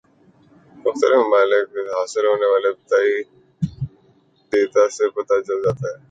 مختلف ممالک سے حاصل ہونے والے ابتدائی دیتا سے پتہ چلتا ہے